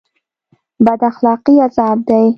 بد اخلاقي عذاب دی